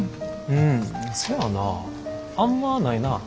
うんせやなあんまないな。